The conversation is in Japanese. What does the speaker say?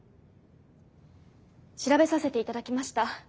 調べさせて頂きました。